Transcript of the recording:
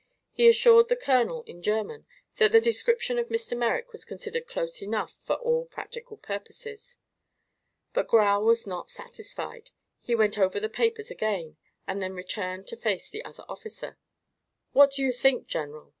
He assured the colonel, in German, that the description of Mr. Merrick was considered close enough for all practical purposes. But Grau was not satisfied. He went over the papers again and then turned to face the other officer. "What do you think, General?"